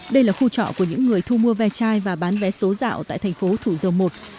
đây là khu trọ của những người thu mua ve chai và bán vé số dạo tại thành phố thủ dầu một